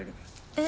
え？